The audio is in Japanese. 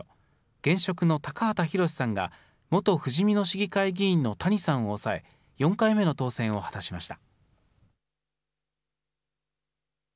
現職の高畑博さんが元ふじみ野市議会議員の谷さんを抑え、４回目の当選を果たしました。